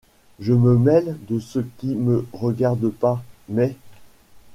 Je me mêle de ce qui me regarde pas, mais. ..